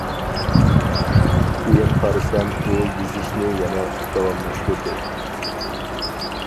كېيىن قارىسام، ئۇ يېزىشنى يەنە داۋاملاشتۇردى.